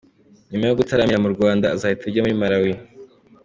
Nyuma yo gutaramira mu Rwanda azahita ajya muri Malawi.